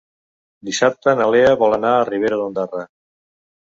Dissabte na Lea vol anar a Ribera d'Ondara.